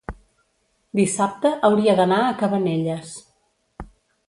dissabte hauria d'anar a Cabanelles.